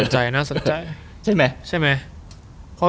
ใช่ไหมใช่ไหม